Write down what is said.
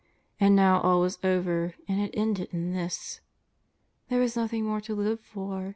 And now all was over, and had ended in this ! There was nothing more to live for.